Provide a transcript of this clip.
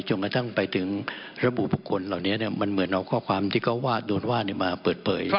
จนกระทั่งไปถึงระบุบุคคลเหล่านี้มันเหมือนเอาข้อความที่เขาว่าโดนว่ามาเปิดเผย